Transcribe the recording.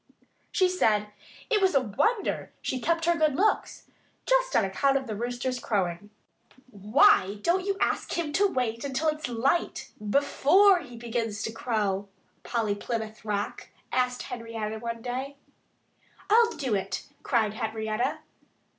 She said it was a wonder she kept her good looks, just on account of the Rooster's crowing. "Why don't you ask him to wait until it's light, before he begins to crow?" Polly Plymouth Rock asked Henrietta one day. "I'll do it!" cried Henrietta.